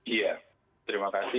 iya terima kasih